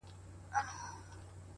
که پر مځکه ګرځېدل که په اوبو کي -